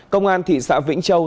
công an thị xã vĩnh châu